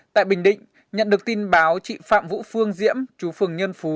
tại bình định nhận được tin báo chị phạm vũ phương diễm chú phường nhân phú